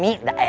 mak ngapain ya